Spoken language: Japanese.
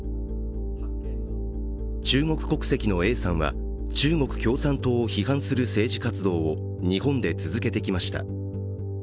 中国国籍のＡさんは、中国共産党を批判する政治活動を日本で続けてきました。